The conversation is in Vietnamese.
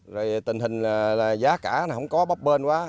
rồi tình hình giá cả không có bóp bên quá